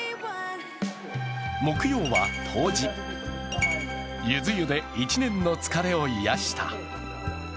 木曜は冬至、ゆず湯で１年の疲れを癒やした。